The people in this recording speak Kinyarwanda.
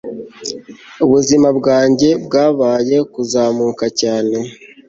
ubuzima bwanjye bwabaye kuzamuka cyane